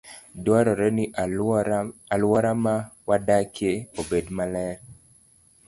Dwarore ni alwora ma wadakie obed maler.